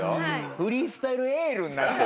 フリースタイルエールになってるよ。